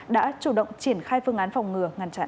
đã chủ động triển khai phương án phòng ngừa ngăn chặn